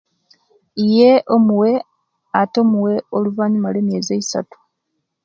Iyee omuwe ate omuwale oluvanyuma lwa miyeizi eisatu